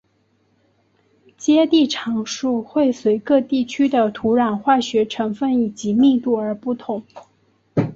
接地常数会随各地区的土壤化学成份以及密度而不同。